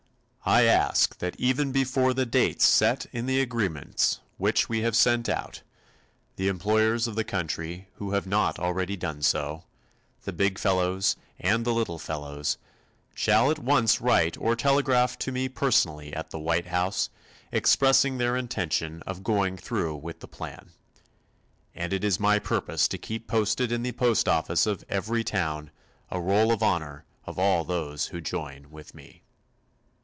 I ask that even before the dates set in the agreements which we have sent out, the employers of the country who have not already done so the big fellows and the little fellows shall at once write or telegraph to me personally at the White House, expressing their intention of going through with the plan. And it is my purpose to keep posted in the post office of every town, a Roll of Honor of all those who join with me.